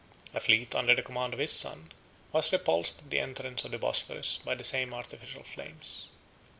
A fleet, under the command of his son, was repulsed at the entrance of the Bosphorus by the same artificial flames.